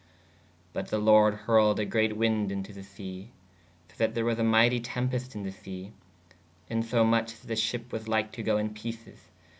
¶ But [the] lorde hurled a greate winde in to [the] se/ so that there was a myghtie tēpest in the se: in so moch [that] the shepp was lyke to goo in peces.